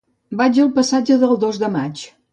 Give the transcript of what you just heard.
Vaig al passatge del Dos de Maig.